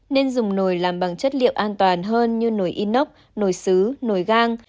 nên dùng nồi làm bằng chất liệu an toàn hơn như nồi inox nồi xứ nồi gan